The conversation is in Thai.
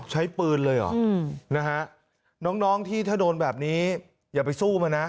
ใช้ปืนเลยเหรอนะฮะน้องที่ถ้าโดนแบบนี้อย่าไปสู้มันนะ